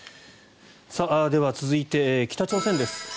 では、続いて北朝鮮です。